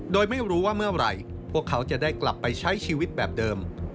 โดยไม่รู้ว่าเมื่อไหร่พวกเขาจะได้กลับไปใช้ชีวิตแบบเดิม